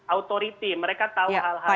authority mereka tahu hal hal